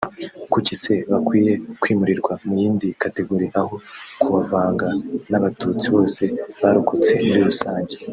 kuki se bakwiye kwimurirwa muyindi categorie aho kubavanga n’abatutsi bose barokotse muri rusange